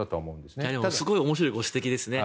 すごく面白いご指摘ですね。